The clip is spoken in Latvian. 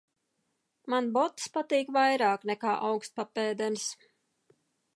Man botes patīk vairāk nekā augstpapēdenes.